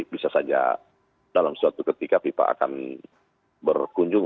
bisa saja dalam suatu ketika fifa akan berkunjung